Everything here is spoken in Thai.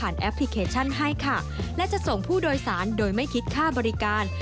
และจะส่งผู้โดยสารโดยไม่คิดค่าบริการ